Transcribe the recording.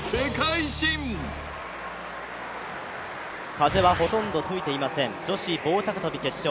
風はほとんど吹いていません、女子棒高跳決勝。